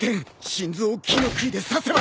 心臓を木のくいで刺せば。